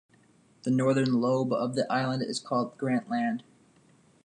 The northern lobe of the island is called Grant Land.